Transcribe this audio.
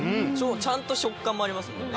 ちゃんと食感もありますもんね。